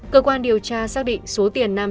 cơ quan điều tra xác định số tiền nam